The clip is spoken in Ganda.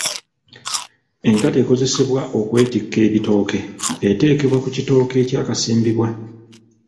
Enkata ekozesebbwa okwetikka ebitooke eteekebwa ku kitooke ekyakasimbibwa.